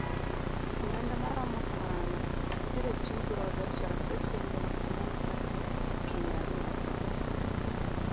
Omenda maromo kamano oseti godo chakre chenro makama ne chakre higni ariyo mokalo.